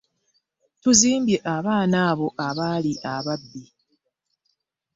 Tuzimbye abaana abo abaali ababbi.